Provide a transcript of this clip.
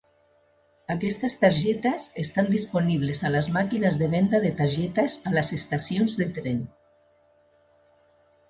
Aquestes targetes estan disponibles a les màquines de venda de targetes a les estacions de tren.